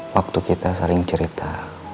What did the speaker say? waktu kita saling cerita